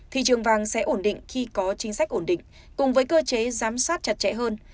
thị trường vàng sẽ ổn định khi có chính sách ổn định cùng với cơ chế giám sát chặt chẽ hơn